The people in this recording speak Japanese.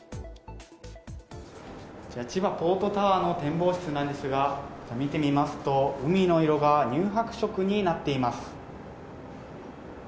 千葉ポートタワーの展望室なんですが、見てみますと、海の色が乳白色になっています。